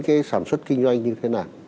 cái sản xuất kinh doanh như thế nào